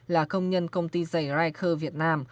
là công nhân công ty dày riker việt nam